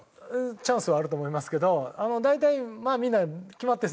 チャンスはあると思いますけど大体みんな決まってるんですよ。